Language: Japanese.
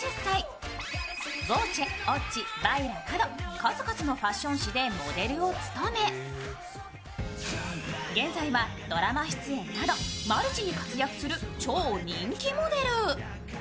数々のファッション誌でモデルを務め、現在はドラマ出演など、マルチに活躍する超人気モデル。